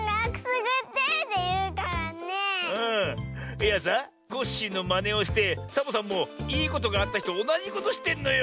いやさコッシーのまねをしてサボさんもいいことがあったひとおなじことしてんのよ。